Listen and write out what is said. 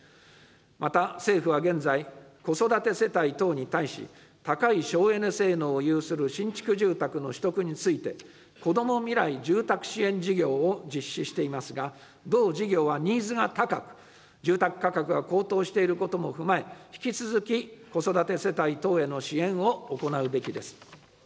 また、政府は現在、子育て世帯等に対し、高い省エネ性能を有する新築住宅の取得について、こどもみらい住宅支援事業を実施していますが、同事業はニーズが高く、住宅価格が高騰していることも踏まえ、引き続き、子育て世帯等への支援を行うべきです。